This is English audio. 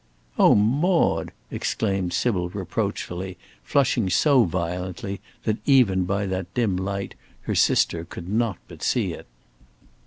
"Oh, Maude!" exclaimed Sybil reproachfully, flushing so violently that, even by that dim light, her sister could not but see it.